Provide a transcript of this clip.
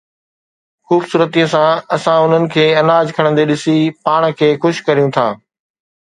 خوبصورتيءَ سان اسان انهن کي اناج کڻندي ڏسي پاڻ کي خوش ڪريون ٿا